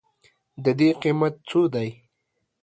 د دې قیمت څو دی؟